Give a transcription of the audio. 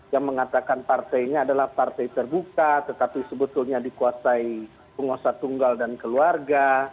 yang mengatakan partainya adalah partai terbuka tetapi sebetulnya dikuasai penguasa tunggal dan keluarga